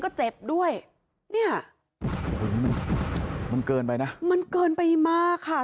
ก็เจ็บด้วยเนี่ยโอ้โหมันมันเกินไปนะมันเกินไปมากค่ะ